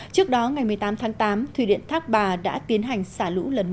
trước đó ngày một mươi tám tháng tám thủy điện thác bà đã tiến hành xả lũ lần một